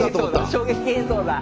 衝撃映像だ。